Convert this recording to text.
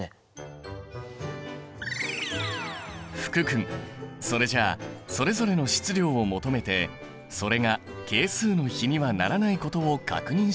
福君それじゃあそれぞれの質量を求めてそれが係数の比にはならないことを確認していこう。